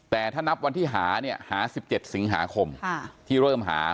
แต่ถ้านับวันที่หาเนี่ยหา๑๗สิงหาคมที่เริ่มหา